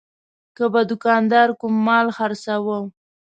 که به دوکاندار کوم مال خرڅاوه.